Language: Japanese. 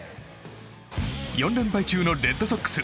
４連敗中のレッドソックス。